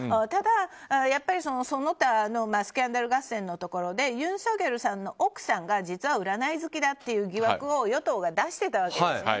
ただ、その他のスキャンダル合戦のところでユン・ソギョルさんの奥さんが実は占い好きだという疑惑を与党が出してたわけです。